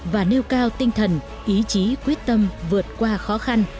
và nêu cao tinh thần ý chí quyết tâm vượt qua khó khăn